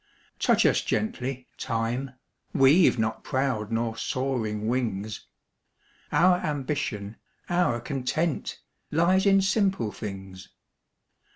Touch us gently, Time! We've not proud nor soaring wings; Our ambition, our content, Lies in simple things.